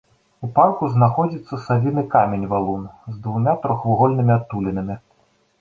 У парку знаходзіцца савіны камень-валун з двума трохвугольнымі адтулінамі.